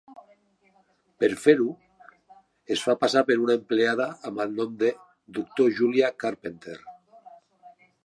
Per fer-ho, es fa passar per una empleada amb el nom de "Doctor Julia Carpenter".